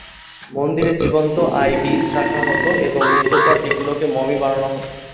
মন্দিরে জীবন্ত আইবিস রাখা হতো এবং মৃত্যুর পর এগুলিকে মমি বানানো হতো।